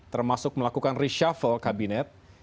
termasuk melakukan reshuffle kabinet